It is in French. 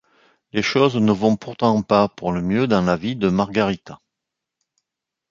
Les choses ne vont pourtant pas pour le mieux dans la vie de Margarita.